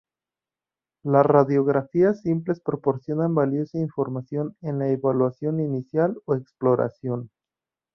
Las radiografías simples proporcionan valiosa información en la evaluación inicial o exploración.